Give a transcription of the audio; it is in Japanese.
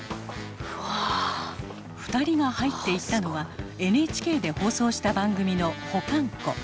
２人が入っていったのはＮＨＫで放送した番組の保管庫。